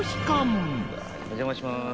お邪魔します。